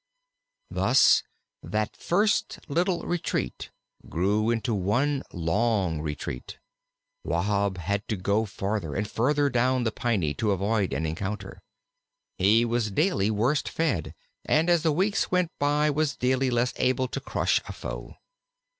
Thus that first little retreat grew into one long retreat. Wahb had to go farther and farther down the Piney to avoid an encounter. He was daily worse fed, and as the weeks went by was daily less able to crush a foe.